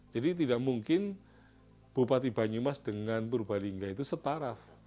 jadi tidak mungkin bupati banyumas dengan purbalingga itu setaraf